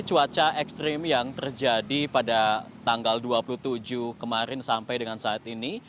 cuaca ekstrim yang terjadi pada tanggal dua puluh tujuh kemarin sampai dengan saat ini